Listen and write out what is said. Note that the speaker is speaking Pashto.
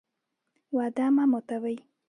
وعده مه ماتوئ